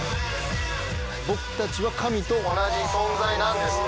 僕たちは神と同じ存在なんですと。